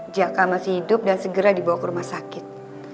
jaka masih hidup dan segera dibawa ke rumah sakit